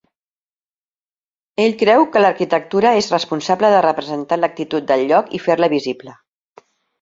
Ell creu que l'arquitectura és responsable de representar l'actitud del lloc i fer-la visible.